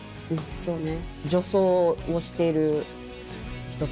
そうね。